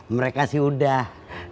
mereka sih udah